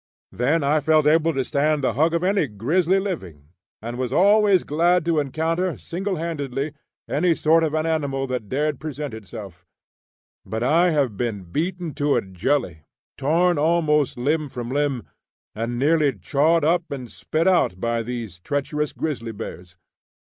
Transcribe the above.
Then I felt able to stand the hug of any grizzly living, and was always glad to encounter, single handed, any sort of an animal that dared present himself. But I have been beaten to a jelly, torn almost limb from limb, and nearly chawed up and spit out by these treacherous grizzly bears.